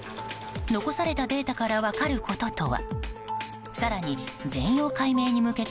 残されたデータから分かることとは？